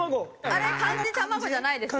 あれ漢字「卵」じゃないです。